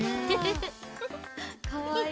かわいい。